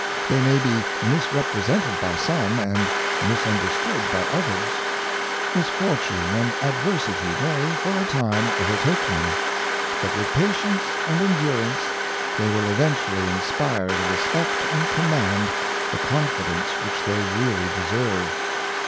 They may be misrepresented by some and misunderstood by others; misfortune and adversity may, for a time, overtake them, but with pa tience and endurance, they will eventually inspire the respect and command the confidence which they really deserve.